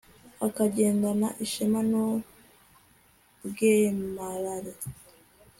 akagendana ishema n'ubwemarare